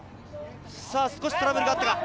少しトラブルがあったか。